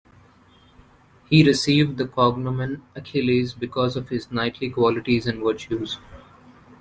He received the cognomen Achilles because of his knightly qualities and virtues.